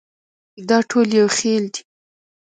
دا ټول یو خېل دي.